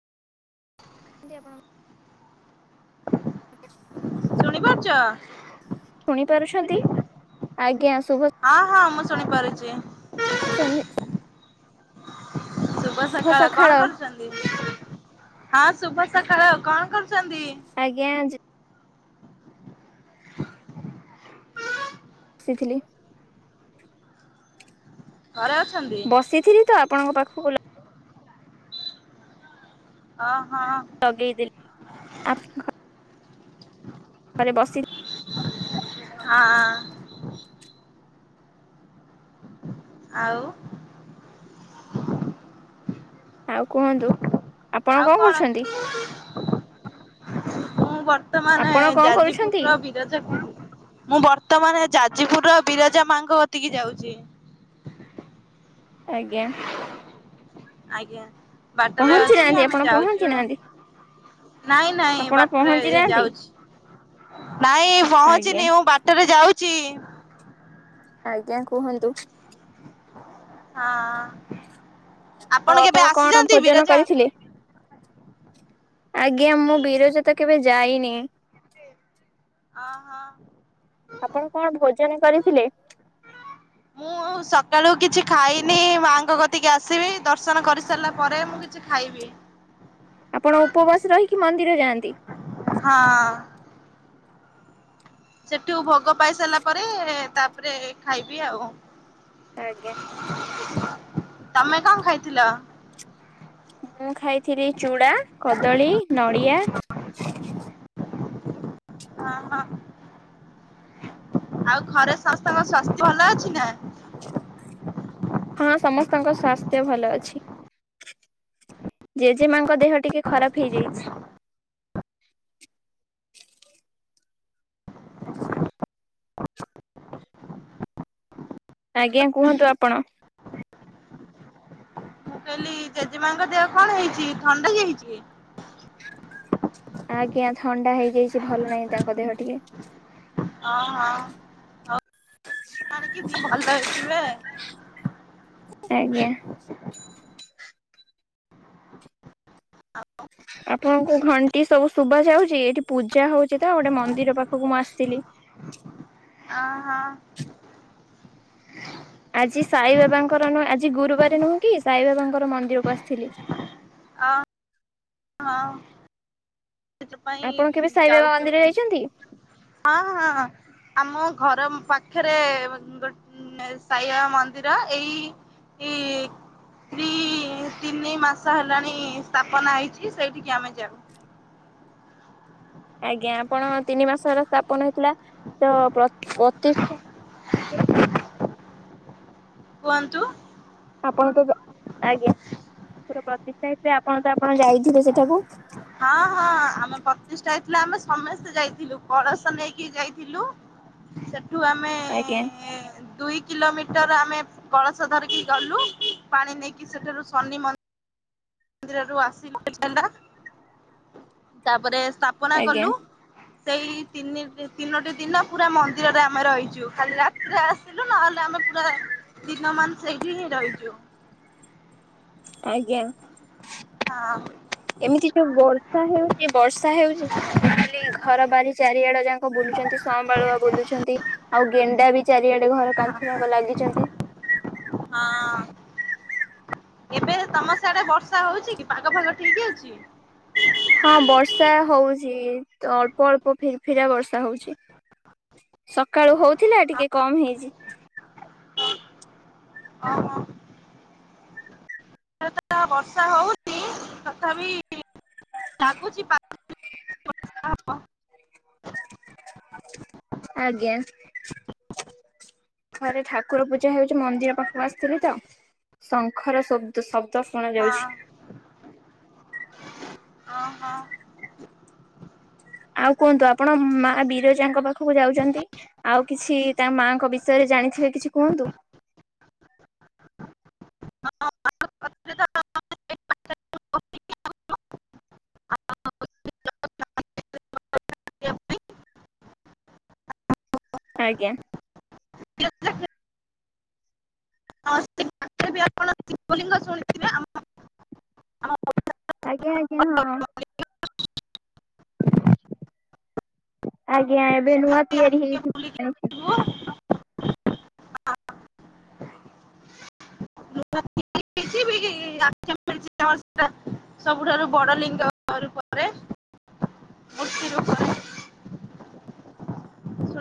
ନ୍ତି ଆପଣ ଆଠ [inaudible] ଶୁଣିପାରୁଚ? ଶୁଣି ପାରୁଛନ୍ତି ଆଜ୍ଞା ଶୁଭ ହଁ ହଁ ମୁଁ ଶୁଣି ପାରୁଚି। ସନ୍ଦେ [unintelligible] ଶୁଭ ସକାଳ କଣ କରୁଚନ୍ତି? ହଁ ଶୁଭ ସକାଳ କଣ କରୁଚନ୍ତି? ଆଜ୍ଞା। ଥିଲି। ଘରେ ଅଛନ୍ତି? ସେଥିରେ ତ ଆପଣଙ୍କ ପାଖକୁ ହଁ ହଁ। ଲଗେଇଦେଲି ଆ ଥରେ ବସି ହଁ। ଆଉ। ଆଉ କୁହନ୍ତୁ? ଆପଣ ଆଉ କଣ କରୁଛନ୍ତି ମୁଁ ବର୍ତ୍ତ ବତ୍ତମାନେ ଆପଣ କଣ କରୁଛନ୍ତି ଯାଜିପୁରୁର ବି ଯାଜ କଣ ମୁଁ ବର୍ତ୍ତମାନ ଯାଜପୁରୁର ବିରଜା ମାଙ୍କ ବତିକି ଯାଉଚି। ଆଜ୍ଞା। ଆଜ୍ଞା ବାଟରେ ପହଞ୍ଚି ଅଛି ନାହାନ୍ତି ଆମେ ଆପଣ ପହଞ୍ଚି ଯାଉଚୁ। ନାହାନ୍ତି ନାଇଁ ନାଇଁ ଆପଣ ବାଟରେ ପହଞ୍ଚି ନାହାନ୍ତି ଯାଉଛି। ନାଇଁ ଆଜ୍ଞା ପହଞ୍ଚିନି ମୁଁ ବାଟରେ ଯାଉଚି। ଆଜ୍ଞା କୁହନ୍ତୁ? ହଁ। ଆଉ କେବେ ଆପଣ କଣ ଆସିଛନ୍ତି ଭୋଜନ ବିରଜା? କରିଥିଲେ? ଆଜ୍ଞା ମୁଁ ବିରଜା ତ କେବେ ଯାଇନି। ହ ହଁ। ଆପଣ କଣ ଭୋଜନ କରିଥିଲେ? ମୁଁ ସକାଳୁ କିଛି ଖାଇନି ମାଙ୍କ କତିକି ଆସିବି ଦର୍ଶନ କରିସାରିଲା ପରେ ମୁଁ କିଛି ଖାଇବି। ଆପଣ ଉପବାସ ରହିକି ମନ୍ଦିର ଯାଆନ୍ତି? ହଁ। ସେଠୁ ଭୋଗ ପାଇ ସାରିଲା ପରେ ତାପରେ ଖାଇବି ଆଉ। ଆଜ୍ଞା ତମେ କଣ ଖାଇଥିଲ? ମୁଁ ଖାଇଥିଲି ଚୁଡ଼ା କଦଳୀ ନଡ଼ିଆ। ହଁ ହଁ ଆଉ ଘରେ ସମସ୍ତଙ୍କ ସ୍ୱାସ୍ଥ୍ୟ ଭଲ ଅଛି ନା? ହଁ ସମସ୍ତଙ୍କ ସ୍ୱାସ୍ଥ୍ୟ ଭଲ ଅଛି। ଜେଜେମାଙ୍କ ଦେହ ଟିକେ ଖରାପ ହେଇଯାଇଛି। ଆଜ୍ଞା କୁହନ୍ତୁ ଆପଣ? ମୁଁ କହିଲି ଜେଜେମାଙ୍କ ଦେହ କଣ ହେଇଛି ଥଣ୍ଡାଯାଇଛି କି? ଆଜ୍ଞା ଥଣ୍ଡା ହେଇଯାଇଛି ଭଲ ନାହିଁ ତାଙ୍କ ଦେହ ଟିକେ। ହଁ ହଁ ଜାଣିକି ଦି ଭଲ ହେଇଥିବେ। ଆଜ୍ଞା ଆପଣଙ୍କୁ ଘଣ୍ଟି ସବୁ ଶୁଭ ଯାଉଛି ଏଠି ପୂଜା ହଉଛି ତ ଗୋଟେ ମନ୍ଦିର ପାଖକୁ ମୁଁ ଆସିଥିଲି। ଅ ହଁ ଆଜି ସାଇ ବାବାଙ୍କର ନୁହେ ଆଜି ଗୁରୁବାର ନୁହଁ କି ସାଇବାବାଙ୍କର ମନ୍ଦିରକୁ ଆସିଥିଲି। ଅ ହଁ ସେଥିପାଇଁ ଆପଣ କେବେ ସାଇବାବା ଯାଉଛୁ ମନ୍ଦିରରେ ଯାଇଛନ୍ତି? ହଁ ହଁ ଆମ ଘର ପାଖରେ ଗୋଟେ ମ ସାଇ ବାବା ମନ୍ଦିର ଏଇ ଦି ତିନି ମାସ ହେଲାଣି ସ୍ଥାପନା ହେଇଛି ସେଇଠିକି ଆମେ ଯାଉ। ଆଜ୍ଞା ଆପଣ ତିନି ମାସର ସ୍ଥାପନ ହେଇଥିଲା ପ୍ରତିଷ୍ଠା କୁହନ୍ତୁ? ଆପଣ ତ ଆଜ୍ଞା ଆମ ଠାକୁର ପ୍ରତିଷ୍ଠା ହେଇରେ ଆପଣ ତ ଆପଣ ଯାଇଥିବେ ସେଠାକୁ? ହଁ ହଁ ଆମେ ପ୍ରତିଷ୍ଠା ହେଇଥିଲା ଆମେ ସମସ୍ତେ ଯାଇଥିଲୁ କଳସ ନେଇକି ଯାଇଥିଲୁ। ଲୁ ସେଠୁ ଆମେ ଆଜ୍ଞା ଏ ଦୁଇ କିଲୋମିଟର ଆମେ କଳସ ଧରିକି ଗଲୁ ପାଣି ନେଇକି ସେଠାରୁ ଶନି ମନ୍ଦି ମନ୍ଦିରରୁ ଆସିଲୁ କେତେ ହେଲା ତାପରେ ସ୍ଥାପନା ଆଜ୍ଞା କଲୁ। ସେଇ ତିନି ତିନୋଟି ଦିନ ପୁରା ମନ୍ଦିରରେ ଆମେ ରହିଛୁ ଖାଲି ରାତି ରେ ଆସିଲୁ ନହେଲେ ଆମେ ପୁରା ଦିନ ମାନ୍ ସେଇଠି ହିଁ ରହିଛୁ। ଆଜ୍ଞା। ହଁ। ଏମିତି ଯୋଉ ବର୍ଷା ହେଉଛି ବର୍ଷା ହେଉଛି। ଖାଲି ଘର ବାରି ଚାରିଆଡେ ଯାଙ୍କ ବୁଲୁଛନ୍ତି ସଁବାଳୁଆ ବୁଲୁଛନ୍ତି ଆଉ ଗେଣ୍ଡା ବି ଚାରିଆଡେ ଖାଲି ଘର କାନ୍ଥ ବାଙ୍କ ଲାଗିଛନ୍ତି। ହଁ ଏବେ ତମ ସିଆଡେ ବର୍ଷା ହଉଛି କି ପାଗ ଫାଗ ଠିକ ଅଛି। ହଁ ବର୍ଷା ହଉଛି ଅଳ୍ପ ଅଳ୍ପ ଫିର୍ ଫିରିଆ ବର୍ଷା ହଉଛି। ସକାଳୁ ହଉଥିଲା ଟିକେ କମ ହେଇଛି। ହଁ ହ। ବର୍ଷା ହଉଛିି ତଥାପି ଲାଗୁଛି ପା ବର୍ଷା ହବ। ଆଜ୍ଞା। ଘରେ ଠାକୁର ପୂଜା ହେଉଚି ମନ୍ଦିର ପାଖକୁ ଆସିଥିଲି ତ ଶଙ୍ଖର ଶୋବ୍ଦ ଶବ୍ ହଁ-ହଁ-ହଁ ଆଉ କୁଅନ୍ତୁ ଆପଣ ମା ବିରଜାଙ୍କ ପାଖକୁ ଯାଉଚନ୍ତି ଆଉ କିଛି ତା ମାଆଙ୍କ ବିଷୟରେ ଜାଣିଥିବେ କିଛି କୁହନ୍ତୁ। ହଁ [unintelligible] ଆଜ୍ଞା। [unintelligible] ହଁ ସେ ଗାଁ ରେ ବି ଆପଣ ଶିବଲିଙ୍ଗ ଶୁଣିଥିବେ ଆମ୍ ଆଜ୍ଞା ଆଜ୍ଞା ହଁ। ଆଜ୍ଞା ଏବେ ନୂଆ ତିଆରି ଟିକେ ହେଇଚି ବୁଲିକି [unintelligible] ଯିବୁ। ନୂଆ ତିଆରି ହେଇଚି। [unintelligible] ଆମର ସେଟା ସବୁଠାରୁ ବଡ ଲିଙ୍ଗ ରୂପରେ। ମୂର୍ତ୍ତି ରୂପରେ।